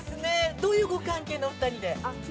どういうご関係のお二人で。